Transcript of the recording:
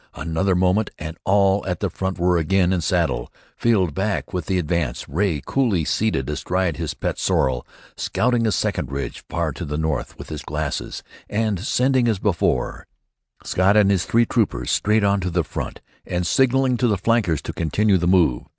Another moment and all at the front were again in saddle Field back with the advance, Ray coolly seated astride his pet sorrel, scouting a second ridge, far to the north, with his glasses, and sending, as before, Scott and his three troopers straight on to the front, and signalling to the flankers to continue the move.